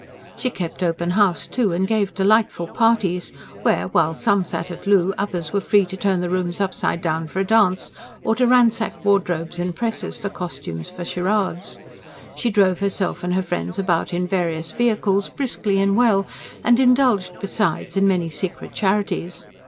She kept open house, too, and gave delightful parties, where, while some sat at loo, others were free to turn the rooms upside down for a dance, or to ransack wardrobes and presses for costumes for charades. She drove herself and her friends about in various vehicles, briskly and well, and indulged besides in many secret charities.